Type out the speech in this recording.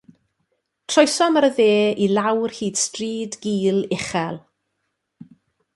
Troesom ar y dde i lawr hyd stryd gul uchel.